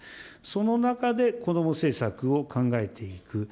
その中で、子ども政策を考えていく。